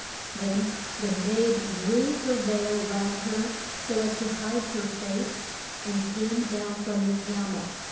Then the maid drew her veil round her so as to hide her face, and came down from the cam el.